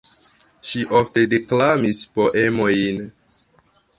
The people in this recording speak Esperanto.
Ŝi ofte deklamis poemojn.